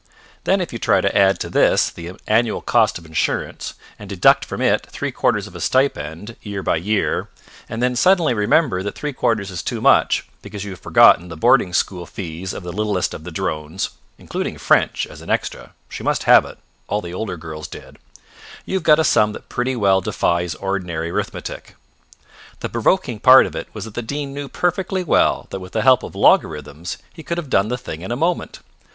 Then if you try to add to this the annual cost of insurance, and deduct from it three quarters of a stipend, year by year, and then suddenly remember that three quarters is too much, because you have forgotten the boarding school fees of the littlest of the Drones (including French, as an extra she must have it, all the older girls did), you have got a sum that pretty well defies ordinary arithmetic. The provoking part of it was that the Dean knew perfectly well that with the help of logarithms he could have done the thing in a moment.